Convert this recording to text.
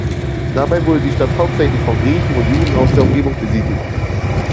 Dabei wurde die Stadt hauptsächlich von Griechen und Juden aus der Umgebung besiedelt.